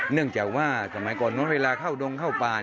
เนื่องจากว่าสมัยก่อนนู้นเวลาเข้าดงเข้าป่า